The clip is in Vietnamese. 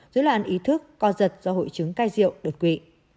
dưới loạn ý thức co giật do hội chứng cai rượu đột quỵ